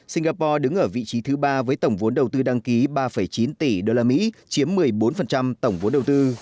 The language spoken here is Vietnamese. singapore đứng ở vị trí thứ ba với tổng vốn đầu tư đăng ký ba chín tỷ đô la mỹ chiếm một mươi bốn tổng vốn đầu tư